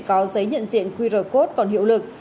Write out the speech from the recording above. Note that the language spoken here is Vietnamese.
có giấy nhận diện qr code còn hiệu lực